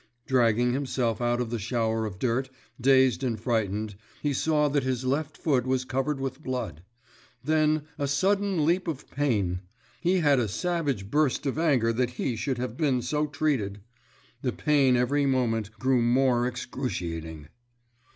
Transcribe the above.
Dragging himself out of the shower of dirt, dazed and frightened, he saw that his left foot was covered with blood. Then, a sudden leap of pain! He had a savage burst of anger that he should have been so treated. The pain every moment grew more excruciating....